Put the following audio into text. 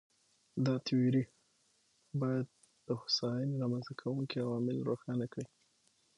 دا تیوري باید د هوساینې رامنځته کوونکي عوامل روښانه کړي.